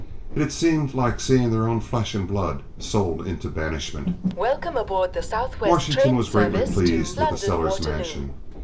It had seemed like seeing their own flesh and blood sold into banishment. Washington was greatly pleased with the Sellers mansion.